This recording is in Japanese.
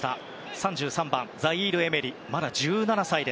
３３番、ザイール・エメリまだ１７歳。